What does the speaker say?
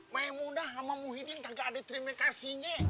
saya mudah sama muhyiddin kagak ada terima kasihnya